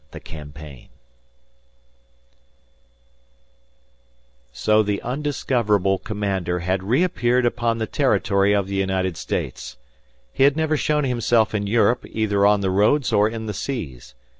THE CAMPAIGN So the undiscoverable commander had reappeared upon the territory of the United States! He had never shown himself in Europe either on the roads or in the seas.